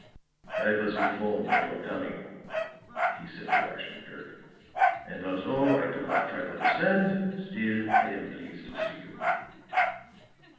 "I was informed of your coming," he said to Ashton Kirk. "And although I do not quite understand, still I am pleased to see you."